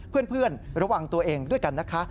เพื่อนระวังตัวเองด้วยกันนะคะ